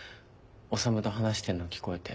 修と話してんの聞こえて。